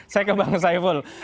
saya ke bang saiful